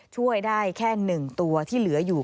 ช่วยได้แค่๑ตัวที่เหลืออยู่